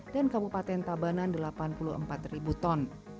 dan kabupaten tabanan delapan puluh empat ribu ton